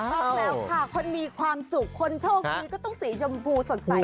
ออกแล้วค่ะคนมีความสุขคนโชคดีก็ต้องสีชมพูสดใส